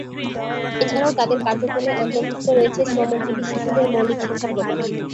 এছাড়াও তাদের কার্যক্রমে অন্তর্ভুক্ত রয়েছে শ্রমজীবী শিশুদের মৌলিক শিক্ষা প্রদান।